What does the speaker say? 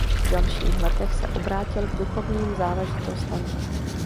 V další letech se obrátil k duchovním záležitostem.